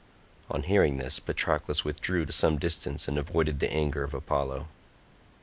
On hearing this, Patroclus withdrew to some distance and avoided the anger of Apollo.